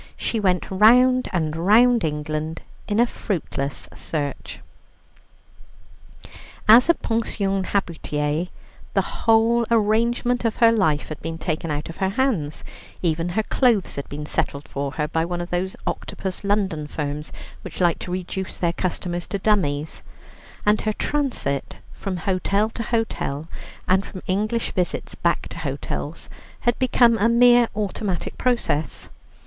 She went round and round England in a fruitless search. As a pension habituée the whole arrangement of her life had been taken out of her hands; even her clothes had been settled for her by one of those octopus London firms which like to reduce their customers to dummies; and her transit from hotel to hotel, and from English visits back to hotels, had become a mere automatic process.